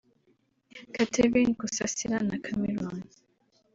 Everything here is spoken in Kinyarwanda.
Catherine Kusasira na Chameelone